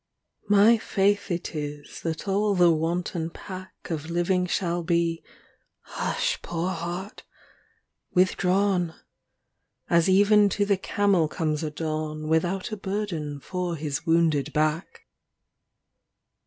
XLI My faith it is that all the wanton pack Of living shall be ŌĆö hush, poor heart ! ŌĆö with drawn, As even to the camel comes a dawn Without a burden for his wounded back.